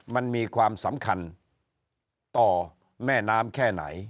มันมีความสำคัญต่อแม่น้ำแค่ไหน